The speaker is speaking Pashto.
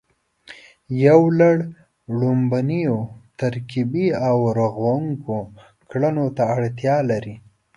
یو لړ ړومبنیو ترکیبي او رغوونکو کړنو ته اړتیا لري